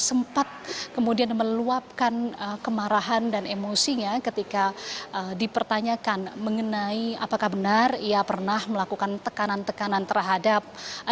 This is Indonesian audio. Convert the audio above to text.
sempat kemudian meluapkan kemarahan dan emosinya ketika dipertanyakan mengenai apakah benar ia pernah melakukan tekanan tekanan terhadap